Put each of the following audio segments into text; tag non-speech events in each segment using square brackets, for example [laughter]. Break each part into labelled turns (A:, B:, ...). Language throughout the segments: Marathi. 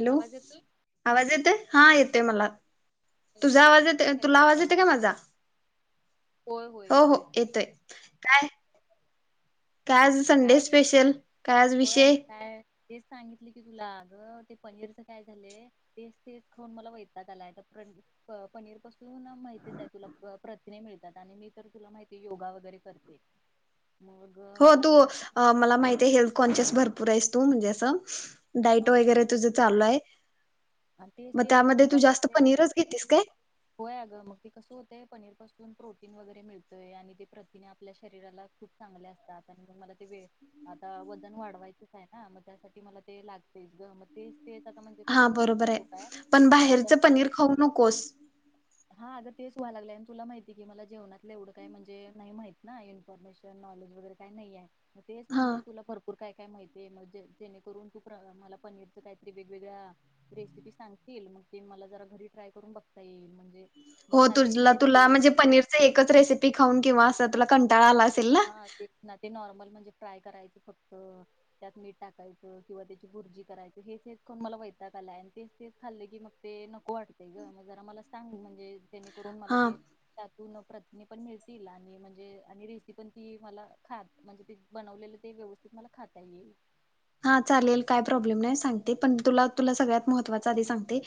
A: हॅलो
B: आवाज येतोय?
A: आवाज येतोय हा येतोय मला तुझा आवाज येत तुला आवाज येतोय का माझा? हो हो येतोय काय. काय आज संडे
B: काय नाही गं
A: स्पेशल? काय आज
B: होय अगं
A: विषय?
B: काय तेच सांगितले की तुला अग ते पनीरच काय झालंय तेच तेच खाऊन मला वैतात आलाय तर पनीर पासून माहितीच आहे तुला प्रथिने मिळतात. आणि मी तर तुला माहिती योगा वगैरे करते. मग
A: हो
B: मला
A: तू
B: जरा
A: मला माहितेय हेल्थ काँचस भर पूरा ईस्तुम जैस
B: हा ते तेच तेच मग
A: त्यामध्ये तू
B: तुला
A: जास्त
B: माहिती
A: पनीरच घेतेस काय
B: होय आग मग ते कस होतेय पनीर पासून प्रोटीन वगैरे मिळतय, आणि ते प्रतिने आपल्या शरीराला खूप चांगले असतात. आणि मग मला ते वे आता वजन वाढवायचेच आहे ना मग त्यासाठी मला ते लाग तेच ग म ते
A: हा बरोबर आहे, पण
B: आता
A: बाहेरच पनीर खाऊ नकोस.
B: हा अग तेच व्हाय लागलेय आणि तुला माहितीय की मला जेवणातलं एवढं काही म्हणजे नाही माहित ना इन्फॉर्मेशन नॉलेज वगैरे काही नाही आहे. तेच
A: हा
B: म्हटलं तुला भरपूर काय काय माहितीय, मग जेणेकरून तू मला पनीरच काहीतरी वेगवेगळ्या रेसिपी सांगशील, मग ते मला जरा घरी ट्राय करून बघता येईल, [unintelligible]
A: हो
B: ना
A: तु
B: तेच तेच
A: तुला
B: ते
A: म्हणजे पनीरची एकच रेसिपी खाऊन किंवा अस तुला कंटाळा आला असेल ना
B: हा तेच ना ते नॉर्मल म्हणजे फ्राय करायचं फक्त, त्यात मीठ टाकायचं, किंवा त्याची भुर्जी करायच, हेच हेच खाऊन मला वैतात आलाय आणि तेच तेच खाल्ले की मग ते नको वाटतेय ग म जरा मला सांग म्हणजे- जेणे करून मला
A: हा
B: ते त प्रतनी पण मिळतील आणि म्हणजे त पण ती मला खात म्हणजे ते बनवलेलं ते व्यवस्थित मला खाता येईल.
A: हा चालेल काय प्रॉब्लेम नाही सांगते पण तु तुला सगळ्यात महत्त्वाचा आधी सांगते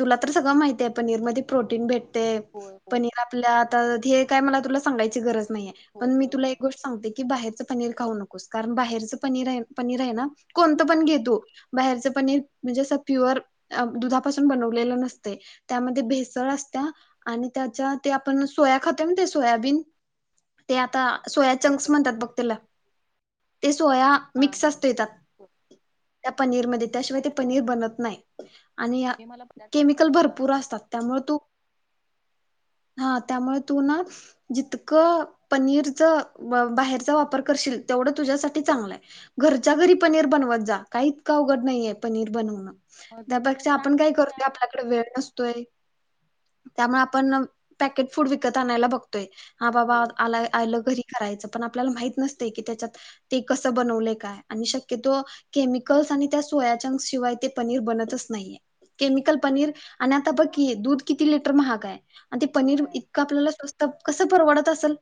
A: तुला तर सगळं माहिती आहे पनीरमध्ये प्रोटीन भेट ते
B: होय होय.
A: पनीर आपल्या आता. हे काय मला तुला सांगायची गरज आहे. नाही
B: होय
A: पण मी तुला
B: बरोबर आहे
A: एक गोष्ट सांगते की बाहेरचं पनीर खाऊ नको. स कारण बाहेरचं पनीर आहे पनीर आहे ना. कोणतं
B: हा
A: पण घेतो. बाहेरच पनीर म्हणजे असं प्युअर दुधापासून बनवलेलं नसते त्यामध्ये भेसळ असत्या आणि त्याच्या ते आपण सोया खाते म्ह ते सोयाबीन ते आता सोया
B: होय
A: चंक्स म्हणतात
B: बरोबर
A: बघ तला सोया
B: हा
A: मिक्स
B: होय
A: असतो
B: होय.
A: त्यात.
B: होय.
A: त्या पनीरमध्ये
B: मग
A: त्याशिवाय ते
B: काय
A: पनीर
B: मला
A: बनत नाही आणि
B: हे मला पदार्थ
A: केमिकल
B: समजला
A: भरपूर असतात त्यामुळे तू हा त्यामुळे तू ना जितकं पनीरच बाहेरचा वापर करशील तेवढं तुझ्यासाठी चांगलंय घरच्या घरी. पण नर बनवत जा काहीच का अवघड नाहीये पणीर बनव न
B: मग ते मला
A: त्यापक्षा
B: सांग
A: आपण काय
B: की त्या
A: करतो आपल्याकडे वेळ नसो. तरी त्यामुळे आपण पॅकेट फूड विकत आणायला बघतोय. हा बाबा आ
B: होय
A: आला अ आल घरी करायच पण आपल्याला माहित नसतय की त्याच्यात ते कस बनवलय काय आणि शक क्यतो केमिकल्स आणि त्या सोयाच्यान शिवाय ते पनीर बनतच नाहीये, केमिकल पनीर आणि आता बघ की दूध किती लिटर महागाय आणि ते पनीर
B: होय
A: इतकं आपल्याला स्वस्त कसं परवडत असल?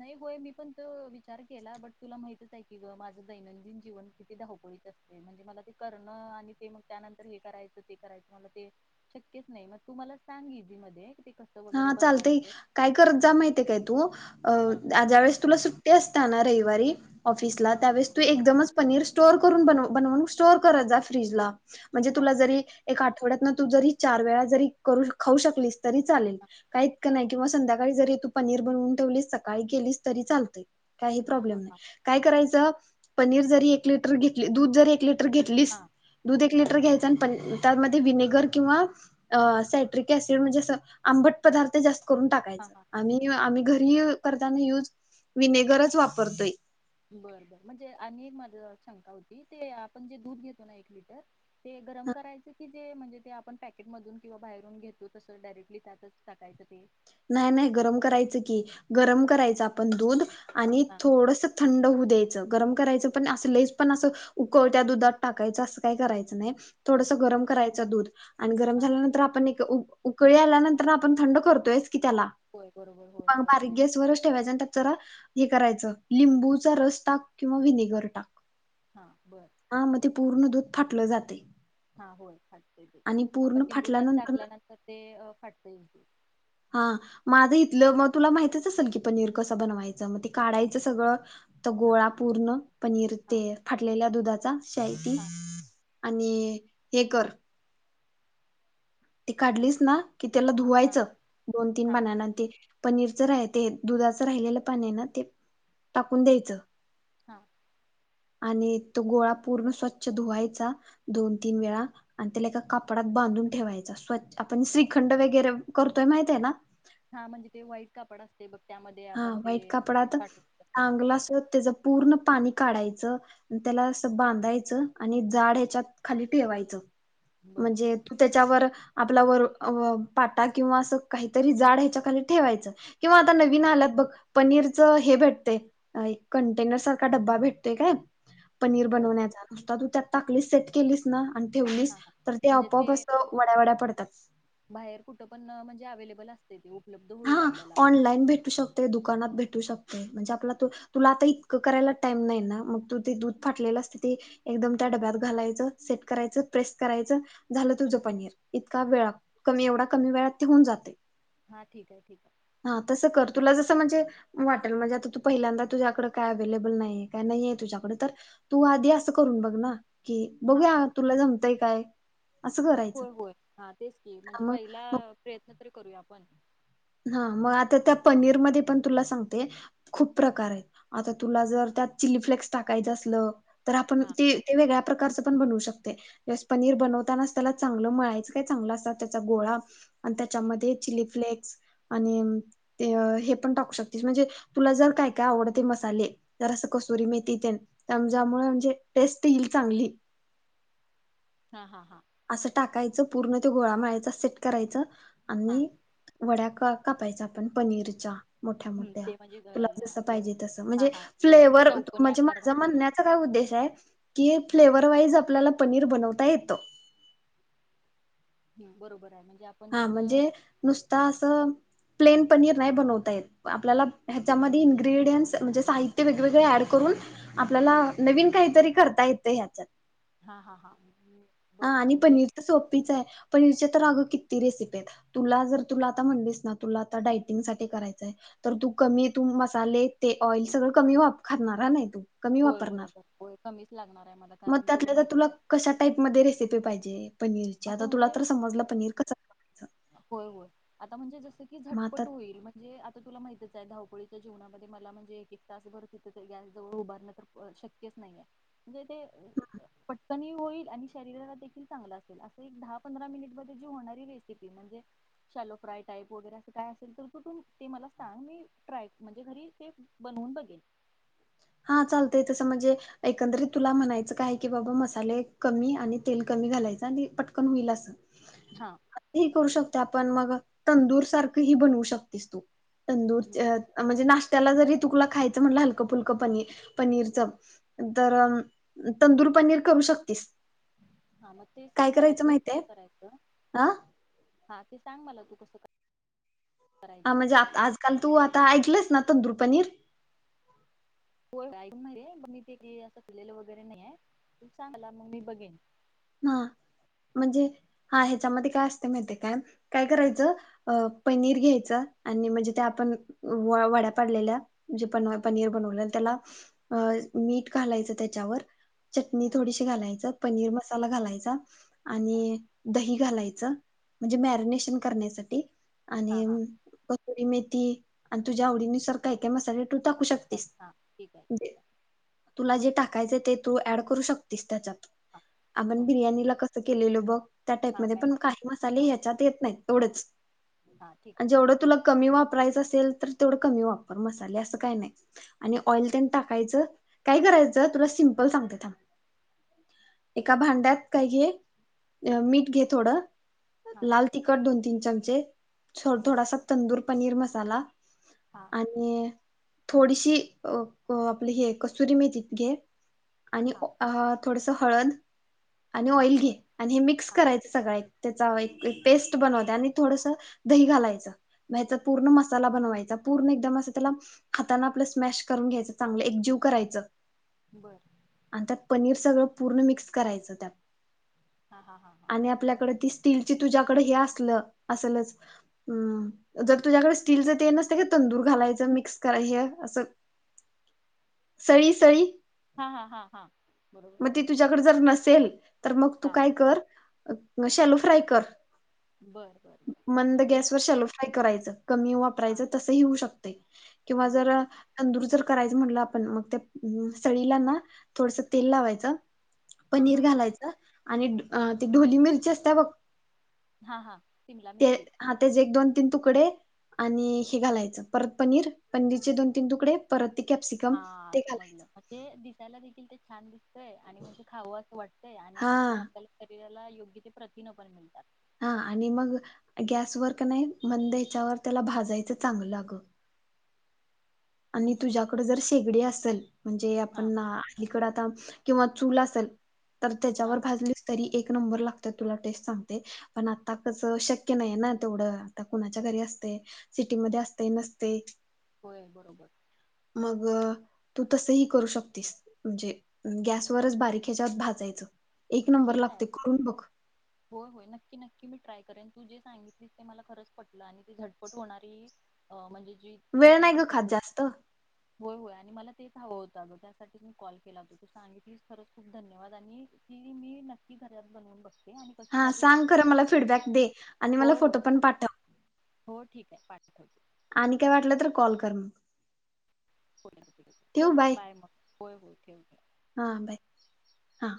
B: नई होय मी पण तो विचार केला, बट तुला माहितच हाय की ग, माझं दैनंदिन जीवन किती धावपळीत असतय म्हणजे मला ते करणं आणि ते मग त्यानंतर हे करायचं, ते करायचं मला ते शक्यच नई मग तू मला सांग इजि मध्ये कि ते कसं वगैरे
A: हा चालतय,
B: बनवायचं
A: काय करत जा माहिते काय तू अ
B: हा
A: आ ज्या वेळेस तुला सुट्टया असत्या ना रविवारी ऑफिसला
B: हा
A: त्यावेळेस तू एकदमच पनीर स्टोअर करून बनव, बनवून स्टोअर करत जा फ्रीज ला म्हणजे
B: हा
A: तुला जरी एक आठवड्यातन तू जरी चार वेळा जरी करू खाऊ शकलीस तरी चालेल.
B: हा
A: काय इतकं नाई किंवा संध्या काळी जरी तू पनीर बनवून ठेवलीस सकाळी केलीस तरी चालतय. काही
B: हा हा
A: प्रॉब्लेम
B: हा
A: नाही,
B: हा
A: काय करायचं. पनीर जरी एक लिटर घेतली, दूध जरी एक लिट टर
B: हा
A: घेतलीस, दूध एक
B: हा
A: लिटर घ्यायचं आणि पण त्यामध्ये विनेगर किंवा अ सायट्रिक ऍसिड म्हणजे असं आंबट पदार्थ जास्त करून
B: हा
A: टाकायचं
B: हा हा
A: आणि आम्ही घ यु करताना युज विनेगरच वापरतोय.
B: बर बर म्हणजे आणि एक माझ शंका होती, ते आपण जे दूध घेतो ना एक लिटर ते गरम करायच कि जे म्हणजे ते आपण पॅकेट मधून किंवा बाहेरून घेतो तस डायरेक्टली त्यातच टाकायचं ते
A: नाय नई गरम करायचं की, गरम करायचं आपण दूध आणि
B: हा
A: थोडस थंड हू द्यायचं, गरम करायचं पण असं लईच पण असं उकळत्या दुधात टाकायचं, असं काय करायचं नई.
B: बर
A: थोडसं
B: बर
A: गरम करायचं दूध आणि गरम
B: हा
A: झाल्यानंतर आपण एक उब उकळी आल्यानंतरन आपण थंड करतोयच की त्याला
B: होय बरोबर होय
A: [unintelligible] बारीक
B: करते
A: गॅसवर ठेवायच आणि त्यात जरा हे करायचं, लिंबूचा रस टाक किंवा व्हिनेगर टाक.
B: हा बर
A: हा म ते पूर्ण दूध फाटलं जातय.
B: हा होय फाटतय ते, आपण लिंबू त्यात
A: फाटल्यानंतर ना-
B: टाकल्यानंतर ते अ फाटतय ते
A: हा माझं इथलं मग तुला माहितच असल की पनीर कसं बनवायचं मग ते काढायचं सगळं तो
B: हा
A: गोळा पूर्ण पनीर
B: हा
A: ते फाटलेल्या दुधाात शाय ती
B: हा
A: आणि हे कर ती काढलीस ना कि त्याला
B: हा
A: धुवायचं दोन-तीन
B: हा
A: पाण्यान ते पनीरचा राहते दुधाचं राहिलेलं पाणी आहे ना ते टाकून द्यायचं.
B: हा.
A: आणि तो गोळा पूर्ण स्वच्छ धुवायचा दोन-तीन वेळा आणि त्याला एका कापडात बांधून ठेवायचा स्वच्छ, आपण श्रीखंड वगैरे करतोय माहित आहे ना.
B: हा म्हणजे ते व्हाइट कापड असतय बघ त्यामध्ये
A: हा
B: आपण ते
A: व्हाइट कापडात
B: पाठवू
A: आ
B: हा बरोबर
A: ग्लासवर चांगल पूर्ण पाणी काढायचं. त्याला असं बांधायचं आणि गाड हेच्यात खाली ठेवायचं.
B: बर
A: म्हणजे तू त्याच्यावर आपला वर व पाटा किंवा असं काहीतरी जाड हेच्याखाली ठेवायच किंवा आता
B: हा
A: नवि नवीन आल्यात बग पनीरच हे भेटतंय अ कंटेनर सारखा डब्बा भेटतोय काय पनीर
B: बर बर
A: बनवण्याचा नुसता तू त्यात टाकली सेट केलीस ना आणि
B: हा
A: ठेवलीस
B: हा
A: तर ते
B: म्हणजे
A: आपोआप असं वड्या-वड्या पडतात.
B: ते अव्हेलेबल असतय ते उप
A: हा ऑनलाईन भेटू शकतोय दुकानात भेट टू शकतय म्हणजे आपला तु तुला आता इतकं करायला टाईम नाय ना मग तू ते दूध फाटलेलं असतय ते एकदम त्या डब्यात घालायच सेट करायचं प्रेस, करायचं झालं
B: हा
A: तुझं पनीर, इतका वेळा कमी एवढा कमी वेळात ते होऊन जातय.
B: हा, ठीक आहे ठीक आहे
A: हा तसं कर तुला ज स म्हणजे वाटेल म्हणजे आता तू पहिल्यांदा तुझ्याकड काय अवलेबल नाही काय, नाही तु्झ्याकड तर तू आधी असं करून बघ ना की बघूया तुला जमतंय. काय असं करायचं
B: होय-होय हा तेच की म्हणजे पहिला
A: मग
B: प्रयत्न तरी करूया आपण.
A: हा मग आता त्या पनीरमध्ये पण तुला सांगते खूप प्रकार आहेत आता तुला जर त्यात चिली फ्लेक्स टाकायचं असलं तर आपण
B: हा
A: ते ते वेगळ्या प्रकारचं पण बनवू शक ते, पनीर बनवतानाच त्याला चांगलं मळायचं काय चांगलं असतात त्याचा गोळा आणि
B: हम्म.
A: त्याच्यामध्ये चिली फ्लेक्स आणि ते हे पण टाकू शकतेस म्हणजे तुला जर काय काय आवडते मसाले जर असं कसुरी मेथी ते त्यामुळे म्हणजे टेस्ट येईल चांगली.
B: हा हा.
A: असं टाकायचं पूर्ण ते गोळा मळायचा सेट करायचं
B: हा
A: आणि वड्या कापायचा आपण पनीरचा. मोठ्या
B: हम्म
A: मोठ्या
B: ते म्हणजे
A: तुला
B: गळाला
A: जस
B: असं
A: पाहिजे तस
B: हा
A: म्हणजे
B: हा ते
A: फ्लेवर
B: चौकनी
A: म्हणजे माझ
B: आकारमध्ये
A: म्हणण्याचा काय उद्देश आहे कि फ्लेवर [unintelligible] वाईज आपल्याला पनीर बनवता येत.
B: हम्म, बरोबर आहे म
A: हा म्हणजे नुसता असं प्लेन पनीर नाही बनवता येत. आपल्याला ह्याच्यामध्ये इन्ग्रेडियंट्स म्हणजे, साहित्य वेगवेगळे ऍड करून आपल्याला नवीन काहीतरी करता येते ह्याच्यात.
B: हा हा हा.
A: हा
B: बरं
A: आणि
B: म्हणजे
A: पनीर तर सोपीच आहे. पनीरच्या तर अगं किती रेसिपी आहेत. तुला जर तुला आता म्हणलीस ना तुला आता डायटिंग साठी करायचंय तर तू कमी तू मसाले ते ऑइल सगळं कमी खातणार नाही तू. कमी
B: होय
A: वापरणार
B: बरोबर, होय कमीच लागणार आहे मला
A: मग
B: कारण तुला
A: त्यातल्या तर
B: माहिती आहे.
A: कशा [unintelligible] पाहिजे. पनीरची
B: असं
A: आता तुला
B: म्हणजे?
A: तर समजलं पनीर कसं करायचं
B: होय होय. आता म्हणजे जस की
A: मग आता
B: झटपट होईल म्हणजे आता तुला माहि धावपळीच्या जीवनामध्ये मला म्हणजे एक एक तास भर तिथ गॅस जवळ उभारण तर शक्यच नाहीय. [unintelligible] [unintelligible] होईल आणि शरीराला देखील चांगला अस दहा पंधरा मिनिट मध्ये जी होणारी रेसिपी म्हणजे, शॅलो फ्राय टाईप वगैरे अस काय असेल तर कुठून ते मला सांग मी ट्राय म्हणजे, घरी ते बनवून बघेल.
A: हा चालतय तसं म्हणजे, एकंदरीत तुला म्हणायचं काय की बाबा मसाले कमी आणि तेल कमी घालायचं आणि पटकन होईल असं.
B: हा
A: हे करू शकते आपण मग तंदूर सारख हि बनवू शकतेस तू. तंदूर च म्हणजे नाश त्याला जरी तुला खायच म्हण फुलक पनीर. पनिरच. तर तंदूर पनीर करू शकतीस.
B: हा म ते
A: काय
B: सांग मला
A: करायचं
B: तू
A: माहितय
B: कसं करायचं? हा सांग मला तू कस का
A: हा म्हणजे, आ आजकाल तू आता ऐकलंस. ना तंदूर पनीर?
B: [unintelligible]
A: हा म्हणजे, हा ह्याच्यामध्ये काय असते माहिते काय काय करायचं अ पनीर घ्यायचं आणि म्हणजे, त्या आपण वड्या पाडलेल्या जे प पनीर बनवल्या त्याला अ मीठ घालायचं त्याच्यावर चटणी
B: हम्म.
A: थोडीशी घालायचं. पनीर म मसाला घालायचा,
B: हा
A: आणि दही घालायच, म्हणजे मॅरिनेशन करण्यासाठी.
B: हा
A: आणि
B: हा
A: कसूरी मेथी. आणि तुझ्या आवडीनुसर काय काय मसाले तू टाकू
B: असतात
A: शकतेस.
B: हा ठीक आहे ठीक आहे
A: तुला जे टाकायचं आहे ते तू ऍड करू शकतेस त्याच्यात.
B: हा ओके
A: बिर्यानीला कसं केलेलो बग त्या टाईप
B: हा
A: मध्ये
B: मॅ
A: पण काही मसाले
B: हा
A: ह्याच्यात येत नाहीत एव - - एवढंच.
B: हा ठीक आहे ठीक
A: जेवढं
B: आहे
A: तुला कमी वापरायचं असेल तर- - तेवढं कमी वापर मसाले असं काही नाही आणि
B: हा
A: ऑइल त्यांनी टाकायचं काय करायचं तुला सिंपल सांगते थांब - - एका भांड्यात काय घे? मीठ घे थोडं
B: हा
A: लाल तिखट दोन तीन चमचे,
B: बरं
A: थोडासा तंदूर पनीर मसाला,
B: हा
A: साला, आणि - - थोडीशी अ आपली हे कसुरी मेथी घे. आणि
B: हा
A: अ - - थोडंसं हळद आणि ऑइल घे
B: बर
A: आणि हे मिक्स
B: हा
A: करायचं सगळ - - त्याचा एक पेस्ट बनवते आणि थोडस दही घालयच नाहीतरं पूर्ण मसाला बनवायचा, पूर्ण एकदम असं त्याला हाताान आपलं स्मॅश करून घ्यायच चांगलं एकजीव करायचं.
B: बर
A: आणि त्या पनीर- - सगळं पूर्ण मिक्स - - करायचं त्यात
B: हा हा हा हा
A: आणि
B: हा
A: आपल्याकडे ती स्टीलची तुझ्याकडे हे अस- - असलच जर तुझ्याकडे स्टीलच ते नसतय काय ते तंदूर घालायच मिक्स कराय ह अस सळी - सळी
B: हा हा हा हा. बरोबर
A: मग ते तुझाकडे जर नस- - सेलं - - तर मग तू
B: हा
A: काय कर - - शेलो फ्राय कर.
B: बर बर बर
A: मंद
B: म्हणजे
A: गॅसवर शलो फ्राय करायच कमी
B: हा
A: वापरायचं तसही होऊ शकतय किंवा
B: बर
A: जर
B: बर
A: तंदूर जर - - करायच म्हटलं आपण मग सळीला ना थोडसं- - तेल लावायचं.
B: हा
A: पनीर
B: हा हा
A: घालायचं - - आणि ढ ते ढोली मिरची असत्या बघ -
B: हा हा शिमला
A: - ते
B: मिरची
A: हा तेच एक दोन तीन तुकडे आणि हे घालायचं. परत पनीर पनीरचे दोन तीन तुकडे परत ते कॅप्सिकम
B: हा
A: ते घालायचं
B: समजलं ते दिसायला देखील ते - - छान दिस तयं आणि म खावं असं वाटतंय आणि
A: हा
B: त्यातून आपल्याला शरीरा ला योग्य ते प्रथिन पण मिळतात.
A: हा आणि मग गॅसवर कनि मंद ह्याच्यावर त्याला भाजायचं चांगल आग. आणि तुझ्याकडे जर शेगडी असेल. म्हणजे
B: हा
A: आपण अलीकड आता. किंवा चूल असेल. तर त्याच्यावर
B: हा
A: भाजलीच तरी एक नंबर लाग तर तुला टेस्ट सांगते. पण आताच शक्य नाही ना तेवढं, आता कुणाच्या घरी असतय सिटीमध्ये असतय नसतय.
B: होय बरोबर.
A: मग तू तसही करू शकतीस, म्हणजे गॅसवरच बारीक ह्याच्यात भाजयचं. एक नंबर
B: ठीक आहे
A: लागतय करून बघ.
B: होय होय नक्की नक्की मी ट्राय करेन तू जे सांगितली मला खरच पटलं आणि झटपट होणारी म्हणजे जी जी
A: वेळ
B: काही
A: नाही
B: तू
A: ग खात
B: पध्दत
A: जास्त
B: होय होय आणि मला तेच हवं होत. आगं त्यासाठी मी कॉल केला हो तू सांगितलीस खरच खूप धन्यवाद आणि ते मी नक्की घरात बनवून बघते. आणि कशी
A: हा
B: झाली होती
A: सांग खरं मला फीडबॅक दे आणि मला
B: होय होय
A: फोटो पण पाठव.
B: हो ठीकाय पाठवते.
A: आणि काय वाटलं तर कॉल कर मग.
B: ओके ओके चल बाय मग होय होय ठेव ठे
A: हा बाय हा.